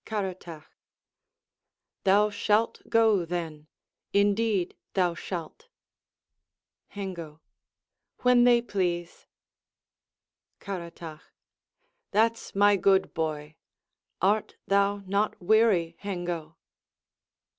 Caratach Thou shalt go, then; Indeed thou shalt. Hengo When they please. Caratach That's my good boy! Art thou not weary, Hengo?